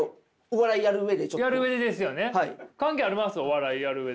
お笑いやる上で。